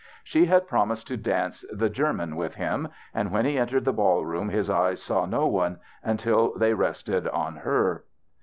She had promised to dance the German with him, and when he entered the ball room his eyes saw no one mitil they rested on her.